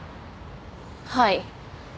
はい。